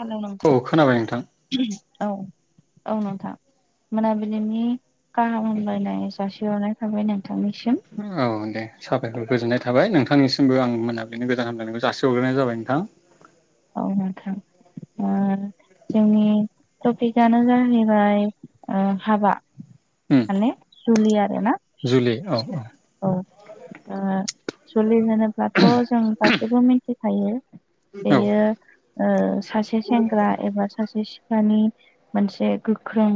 Hello औ खोनाबाय नोंथां औ औ नोंथां मोनाबिलिनि गाहाम हामलायनाय जासि हरनाय थाबाय नोंथांनिसिम। औ दे साबायखर गोजोननाय थाबाय नोंथांनिसिमबो आं मोनाब्लिनो गोदान हामलायनायखौ जासि हरग्रोनाय जाबाय नों [unintelligible] औ नोंथां ओ जोंनि टपिकआनो जाहैबाय हाबा उम माने जुलिया जुलि औ औ जुलि होनोब्लाथ' जों गासैबो मिन्थिखायो। औ बेयो सासे सेंग्रा एबा सासे ख्लानि मोनसे गोख्रों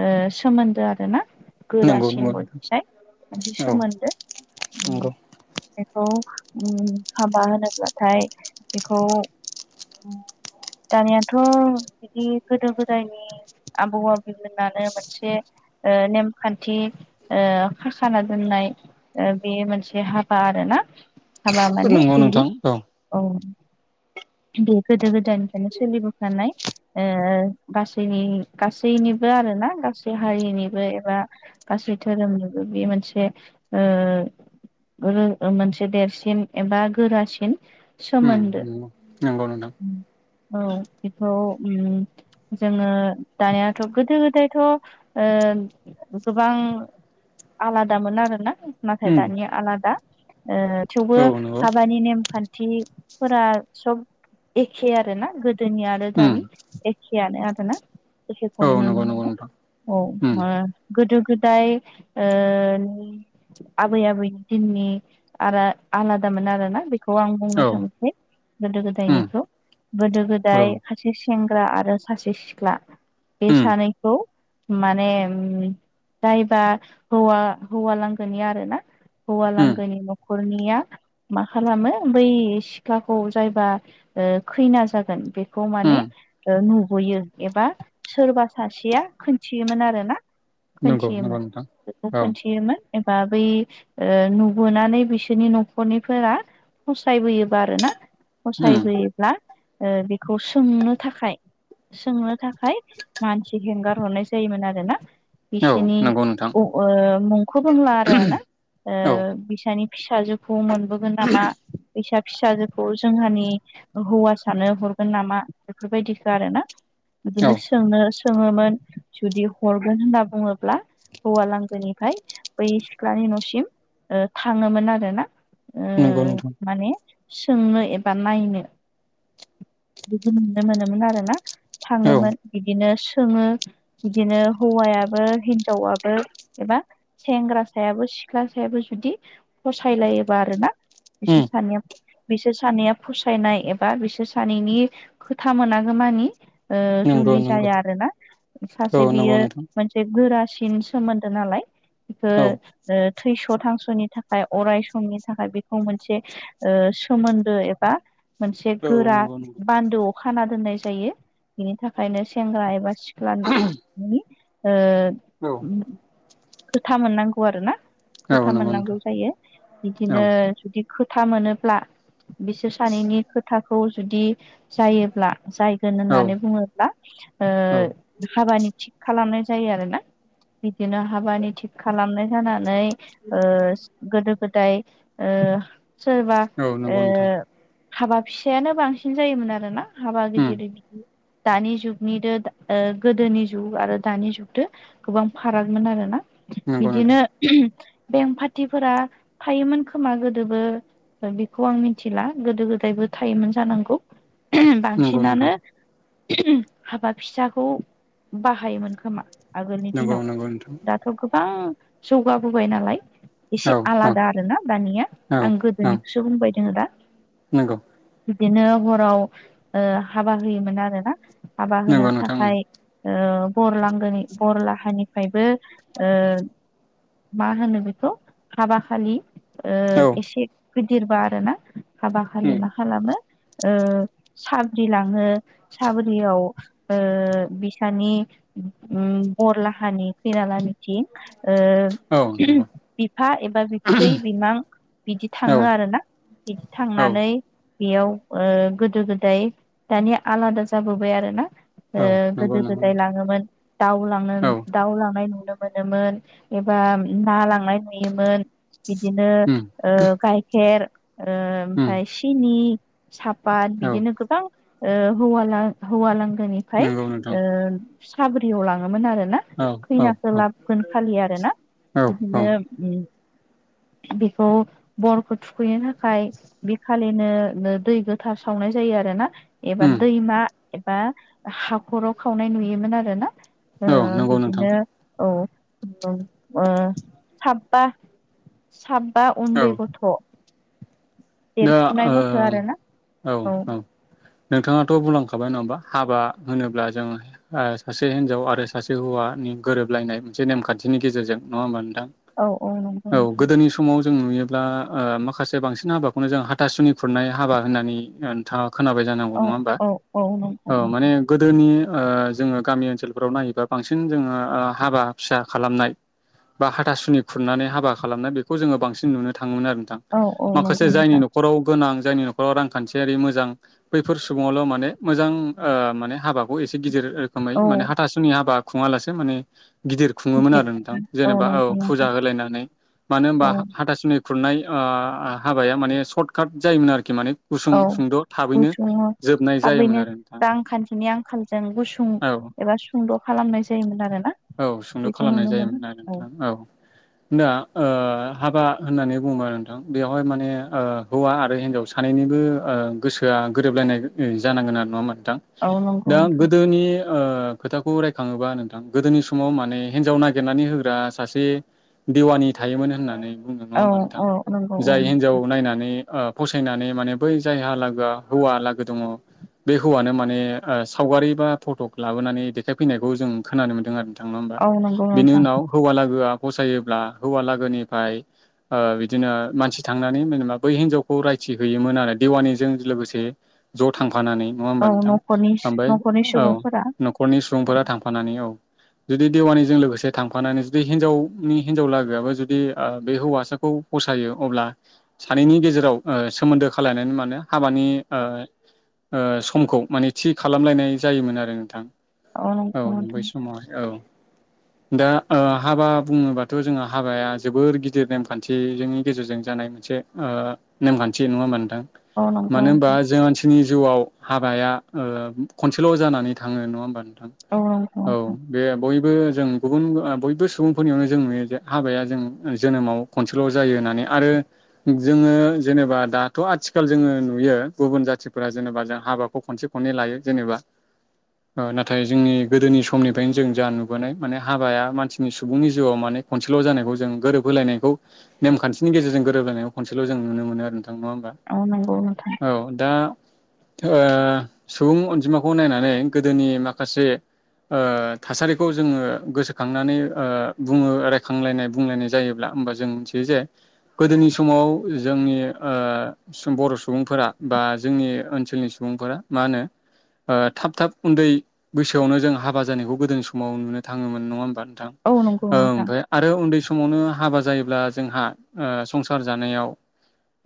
ओ सोमोन्दो आरो ना? नंगौ गोरासिन नंगौ बयनिफ्राय मोनसे औ सोमोन्दो नंगौ बेखौ हाबा होनोब्लाथाय बेखौ दानियााथ' बिदि गोदो गोदायनि आबौ आबैमोनहानो मोनसे नेमखान्थि खाखाना दोननाय बे मोनसे हाबा आरो ना? हाबा माने नंगौ नोंथां [unintelligible] औ बे गोदो गोदायनिफ्रायनो सोलिबोखानाय गासैनि गासैनिबो आरो ना गासै हारिनि एबा गासै धोरोमनिबो बे मोनसे मोनसे देरसिन एबा गोरासिन सोमोन्दो उम नंगौ नंगौ नोंथां [inaudible] औ बेखौ जोङो दानियाथ' गोदो गोदायथ' गोबां आलादामोन आरोना नाथाय उम दानिया आलादा। थेवबो औ नंगौ उम हाबानि नेमखान्थिफोरा सब एखे आरो ना गोदोनि आरो दानि एखेयानो आरोना? औ नंगौ नंगौ नोंथां [unintelligible] औ उम उम गोदो गोदाय ओ आबै आबैनि दिननि आलादामोन आरोना बेखौ आं बुंनो औ उम थांसै गोदो गोदायनिखौ गोदो गोदाय सासे सेंग्रा आरो सासे सिख्ला बे उम सानैखौ माने ओम जायबाौवा हौवा लांगोनि आरो ना हौवाालांगोनि न'खरनिया मा खालामो बै सिखाखौ जायबा खैना जागोन बेखौ उम माने नुबोयो एबा सोरबा सासेया खोनन्थियोमोन आरोना नंगौ नंगौ खोनन्थियोमोन नोंथां बेखौ औ खोनन्थियोमोन बा बै नुबोनानै बिसोरनि न'खरनिफोरा फसायबोयोबा आरो ना उम फसायबोयो ला बेखौ सोंनो थाखाय सोंनो थाखाय मानसि हेंगार हरनाय जायोमोन आरोना। औ बिसिनि म नंगौ नोंथां ओ मुंखौ बुंला आरोना। औ बिसानि फिसाजोखौ मोनबोगोन नामा? बैसा फिसाजोखौ जोंहानि हौवासानो हरगोन नामा? बेफोरबायदिखौ आरोना। औ बिदिनो सोंनो सोङोमोन जुदि हरगोन होनना बुङोब्ला हौवा लांगोनिफाय बै सिख्लानि न'सिम थाङोमोन आरोना। ओ नंगौ नोंथां माने सोंनो एबा नायनो बिदि मोननो मोनोमोन आरोना। औ थाङोमोन बिदिनो सोङो, बिदिनो हौवायाबो हिनजावाबो एबा सेंग्रासायाबो सिख्लासायाबो जुदि फसायलायोबा आरोना। उम बिसोर सानैया बिसोर सानैया फसायनाय एबा बिसोर सानैनि खोथा मोनागो मानि ओ नंगौ जुलि नंगौ जाया आरोना। औ सासे नंगौ बियो नोंथां मोनसे गोरासि सिन सोमोन्दो नालाय बेखो औ ओ थैस' थांस' नि थाखाय अराय समनि थाखाय बेखौ मोनसे ओ सोमोन्दो एबा मोनसे औ गोरा नंगौ नंगौ। बान्दोआव खाना दोननाय जायो। बेनि थाखायनो सेंग्रा एबा सि ख्लानि ओ औ खोथा मोननांगौ आरोना। औ खोथा नंगौ नोंथां मोननांगौ जायो औ बिदिनो जुदि खोथा मोनोब्ला बिसोर सानैनि खोथाखौ जुदि जायोब्ला जायगोन औ होननानै बुङोब्ला ओ औ हाबानि थिग खालामनाय जायो आरोना। बिदिनो हाबानि थिग खालामनाय जाना नै ओ गोदो गोदाय ओ सोरबा औ ओ नंगौ नोंथां हाबा फिसायानो बांसिन जायोमोन आरोना। हाबा उम गिदिरै बिदि दानि जुगनिदो ओ गोदोनि जुग आरो दानि जुगदो गोबां फारागमोन आरोना। नंगौ बिदिनो नोंथां बें फाथिफोरा थायोमोन खोमा गोदोबो। बेखौ आं मिथिला। गोदो गोदायबो थायोमोन जानांगौ। नंगौ नोंथां बांसिनानो हाबा फिसाखौ बाहायोमोन खोमा। आगोलनि नंगौ दिनाव। नंगौ नोंथां दाथ' गोबां जौगाबोबाय नालाय, एसे औ औ आलादा आरोना दानिया। औ आं औ गोदोनिखौसो बुंबाय दोङो दा। नंगौ। बिदिनो हराव हाबा ओ होयोमोन आरोना। हाबा होनो नंगौ नोंथां थाखाय ओ बरलांगोनि बरलाहानिफ्रायबो ओ मा होनो बेखौ हाबाखालि ओ औ एसे गिदिरबा आरो ना हाबा खालि उम मा खालामो ओ साब्रि लाङो, साब्रियाव बिसानि बरलाहानि खैनालाहानिथिं ओ औ नंगौ बिफा एबा बिबथै बिमां बिदि थाङो औ आरोना। बिदि औ थांनानै बेयाव ओ गोदो गोदाय दानिया आलादा जाबोबाय आरोना। ओ औ नंगौ गोदो नंगौ गोदाय नोंथां लाङोमोन, दाउ लांनो औ दाउ लांनाय नुनो मोनोमोन एबा ना लांनाय नुयोमोन। बिदिनो उम ओ गाइखेर उम ओमफाय सिनि साप पाट औ बिदिनो गोबां ओ हौवा-हौवाालांगोनिफ्राय नंगौ नोंथां ओ साब्रियाव लाङोमोन आरो ना औ औ खैनाखो औ लाबगोन खालि आरो ना औ बिदिनो ओम बेखौ बरखौ थुखैनो थाखाय बे खालिनो दै गोथार सावनाय जायो आरोना एबा उम दैमा एबा हाखराव खावनाय नुयोमोन आरो ना ओ औ नंगौ नोंथां बिदिनो औ। औ ओ साबा सा बा औ उन्दै गथ' दा देरफुनाय गथ' आरोना ओ औ। औ। नोंथाङाथ' बुंलांखाबाय नङाबा हाबा होनोब्ला जों सासे हिनजाव आरो सासे हौवानि गोरोबलायनाय मोनसे नेमखान्थिनि गेजेरजों नङा होमबाथ नोंथां? औ नंगौ औ नोंथां गोदोनि समाव जों नुयोब्ला ओ माखासे बांसिन हाबाखौनो जों हाथासुनि खुरनाय हाबा होननानै ओ नोंथाङा खोनाबाय जानांगौ औ नङा होमबा? औ नंगौ औ नोंथां माने गोदोनि ओ जोङो गामि ओनसोलफ्राव नायोबा बांसिन जोङो ओ हाबा फिसा खालामनाय बा हाथासुनि खुरनानै हाबा खालामनाय बेखौ जोङो बांसिन नुनो थां थाङोमोन आरो नोंथां औ औ नंगौ माखासे जायनि नोंथां न'राव गोनां जोंनि न'खराव रांखान्थियारि मोजां बैफोर सुबुंआल माने मोजां ओ माने हाबाखौ एसे गिदिर रोखोमै औ माने हाथासुनि हाबा खुङालासेनो माने गिदिर खुङोमोन आरो नोंथां जेनेबा औ नंगौ फुजा नोंथां होलायनानै मानो होनबा औ हाथासुनि खुरनाय हाबाया माने सर्टकाट जायोमोन आरोखि माने गुसुं औ सुंद' थाबैनो गुसुङ जोबनाय जायोमोन थाबैनो आरो नोंथां रांखान्थिनि आंखालजों गुसुं औ एबा सुंद' खालामनाय जायोमोन आरो। औ सुंद' खालामनाय जायोमोन आरो नोंथां औ। दा ओ हाबा होननानै बुङोबा आरो नोंथां बेवहाय माने हौवा आरो हिनजाव सानै निबो ओ गोसोआ गोरोबलायनाय जानांगोन आरो नङा होमबा? औ नंगौ दा नोंथां गोदोनि ओ खोथाखौ रायखाङोबा नोंथां गोदोनि समाव माने हिन्जाव नागिरनानै होग्रा सासे देवानि थायोमोन होननानै बुंनो नङा औ होमबा नोंथां? औ नंगौ औ जाय हिनजाव नायनानै ओ फसायनानै माने बै जायहा लागोआ हौवा लागो दङ बे हौवानो माने ओ सावगारि बा फट' लाबोनानै देखायफैनायखौ जों खोनानो मोनदों आरो नोंथां नङा होनबा? औ नंगौ बिनि नोंथां उनाव हौवालागोआ फसायोब थि होयोमोन आरो देवानिजों लोगोसे ज' थां फानानै नङा औ होमबा नोंथां? न'खरनि ओमफाय न'खरनि औ सुबुंफोरा न'खरनि औ सुबुंफोरा थांफानानै औ। जुदि देवानिजों लोगोसे थांफानानै जुदि हिनजावनि - हिनजाव लागोआबो जुदि ओ बे हौवासा खौ फसायो अब्ला सानैनि गेजेराव ओ सोमोन्दो खालायनानै मानो हाबानि ओ ओ समखौ माने थि खालामलायनाय जायोमोन आरो नोंथां। औ नोंगौ बै नोंथां। समावहाय औ। दा ओ हाबा बुङोबाथ' जोंहा हाबाया जोबोर गिदिर नेमखान्थिजोंनि गेजेरजों जायो नाय मोनसे ओ नेमखान्थि नङा होमबा नोंथां? औ नंगौ मानो होनबा नोंथां जों मानसिनि जिउआव हाबाया ओ खनसेल' जानानै थाङो नङा होमबा नोंथां औ। औ बे बयबो जों गुबुन बयबो सुबुंफोरनियावनो जों नुयोे हाबाया जों जोनोमाव खनसेल' ल जायो होननानै आरो जोङो जेनेबा दाथ' आथिखाल जोङो नुयो गुबुन जाथिफोर जेनेबा जों हाबाखौ खनसे खन्नै लायो जेनेबा ओ नाथाय जोंनि गोदोनि स समनिफ्रायनो जों जा नुबोनाय माने हाबाया मानसिनि सुबुंनि जिउआव माने खनसेल' जानायखौ जों गोरोब होलायनायखौ नेमखान्थिनि गेजेरजों गोरोबलायनायाव खनसेल' जों नुनो मोनो आरो नोंथां। नङा होमबा? औ नंगौ नोंथां औ दा ओ सुबुं अनजिमाखौ नायनानै गोदोनि माखासे ओ थासारिखौ जोङो गोसोखांनानै ओ बुङो रायखांलायनाय बुंलायनाय जायोब्ला ओमबा जों मिथियो जे गोदोनि समाव जोंनि ओ बर' सुबुंफोरा बा जोंनि ओनसोलनि सुबुंफोरा मा होनो ओ थाब थाब उन्दै बैसोआवनो जों हाबा जानायखौ गोदोनि समाव नुनो थाङोमोन नङा होमबा? नोंथां औ नंगौ ओ नोंथां ओमफ्राय आरो उन्दै समावनो हाबा जायोब्ला जोंहा ओ संसार जानायाव-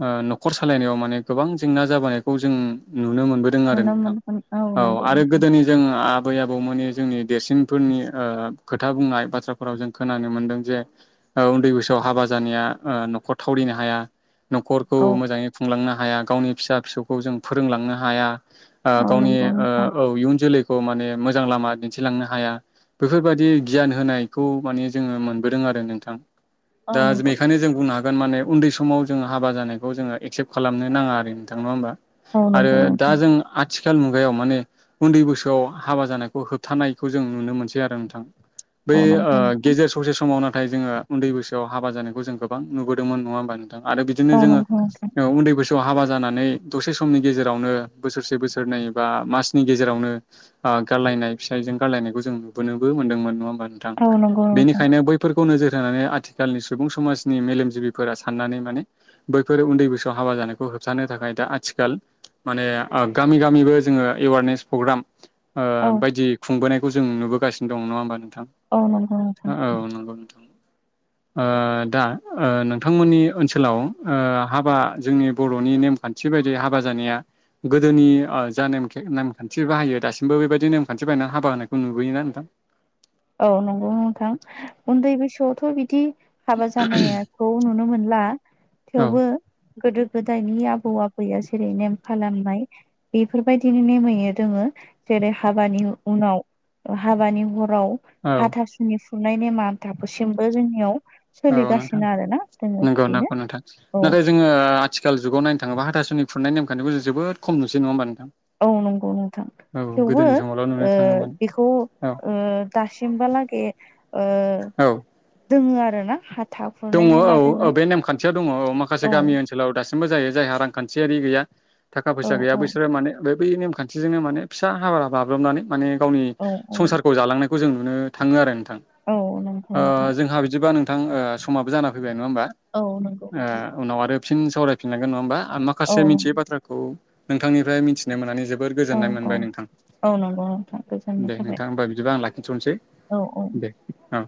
ओ न'खर सालायनायाव माने गोबां जेंना जाबोनायखौ जों नु नुनो मोनबोदों आरो नुनो नोंथां मोनगोन औ नंगौ आरो नोंथां गोदोनि जों आबै आबौमोननि जोंनि देरसिनफोरनि ओ खोथा बुंनाय बाथ्राफोराव जों खोनानो मोनदों जे उन्दै बैसोआव आव हाबा जानाया न'खर थावरिनो हाया। न'खरखौ औ मोजाङै खुंलांनो हाया गावनि फिसा फिसौखौ जों फोरोंलांनो हाया। ओ औ गावनि नंगौ ओ नोंथां औ इयुन जोलैखौ माने मोजां लामा दि दिथिलांनो हाया बेफोरबायाददि गियान होनायखौ माने जोङो मोनबोदों आरो नोंथां। औ दा नंगौ बेखायनो जों बुंनो हागोन माने उन्दै समाव जोङो हाबा जानायखौ जोङो एक्सेप्ट खालामनो नाङा आरो नोंथां नङा होमबा? औ आरो नंगौ दा नोंथां जों आथिखाल मुगायाव माने उन्दै बैसोआव हाबा जानायखौ हो थानायखौ जों नुनो मोनसै आरो नोंथां बै औ नंगौ गेजेर ससे समाव न नाथाय जोङो उन्दै बैसोआव हाबा जानाय जों गोबां नुबोदोंमोन नङा होमबा नोंथां। आरो बिदिनो औ जोङो नंगौ नोंथां उन्दै बैसो फोराव हाबा जानानै दसे समनि गेजेरावनो बोसोरसे बोसोरनै बा मासनि गेजेरावनो ओ गारलायनाय फिसाय जों गारलायनायखौ जों नुबोनोबो मोनदोंमोन नङा होमबा नोंथां औ नंगौ नोंथां बेनिखायनो बैफोरख ओ खौ नोजोर होनानै आथिखालनि सुबुं समाजनि मेलेमजिबिफोरा साननानै माने बैफोर उन्दै बैसोआव हाबा जानायखौ होबथानो थाखाय दा आथिखाल माने गामि गामिबो जोङो एवारनेस प्रग्राम ओ औ बायदि खुंबोनायखौ जों नुबोगासिनो दं नङा होमबा नों थां औ नंगौ नोंथां औ नंगौ नोंथां। [inaudible] ओ दा ओ नोंथांमोननि ओनसोलाव ओ हाबा जोंनि बर'नि नेमखान्थि बेबायदि हाबा जानाया गोदोनि जा नेमखान्थि बाहायो दासिमबो बेबायदि नेमान्थि हाबा होनायखौ नुबोयोना नोंथां? औ नंगौ नोंथां उन्दै बैसोआवथ' बिदि हाबा जानायाखौ नुनो मोन ला औ थेवबो गोदो गोदायनि आबौ आबैया जेरै नेम खालामनाय बेफोरबायदिनो नेमैनो दोङो। जेरै हाबानि उनाव हाबानि हराव औ हाथासुनि फुनाय नेमा दााबोसिमबो जोंनियाव औ नोंथां सोलिगासिनो आरोना जोङो नंगौ बिदिनो नगौ नोंथां औ नाथाय जोङो आथिखाल जुगाव नायनो थाङोबा हाथासु सोरनि फुनाय नेमखान्थिखौ जबोद खम नसै नङा होमबा नों औ नंगौ नोंथां थेवबो गोदोनि समावल' नुनो ओ थाङोमोन बेखौ औ ओ दासिमबो हालागे‌ ओ‌ औ दोङो आरो ना दङ औ औ बे नेमखान्थियाव दङ औ माखासे औ गामि ओनसोलाव दासिम बो जायो जायहा रांखान्थियारि गैया थाखा औ फैसा गैया औ बैसोरो माने बे बेै नेमखान्थिजोंनो माने फिसा हाबा बाब्रबनानै माने गावनि औ औ संसारखौ जालांन खौजों नुनो थाङो आरो नोंथां औ नंगौ ओ नोंथां जोंहा बिदिबा नोंथां ओ समाबो जाना फै नङा होमा औ नंगौ नोंथां उनाव आरो। साबसिन सावरायफिनांगोन नङा होमबा आ औ माखासे मिथियै बाथ्राखौ नोंथांनिफ्राय मिथिनो मोननानै जोबोद जोबोर औ गोजोननाय औ मोनबाय नोंथां। औ नंगौ नोंथां गोजोननाय दे थाबाय नोंथां होनोमबा बिदिबा आं लाखिथ'नोसै औ औ दे औ।